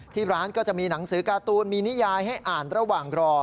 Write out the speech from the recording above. ที่ร้านก็จะมีหนังสือการ์ตูนมีนิยายให้อ่านระหว่างรอ